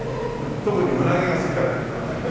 特に胸毛が好きだって言ってました。